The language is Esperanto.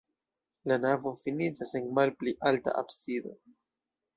La navo finiĝas en malpli alta absido.